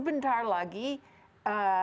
penghubungan dengan islam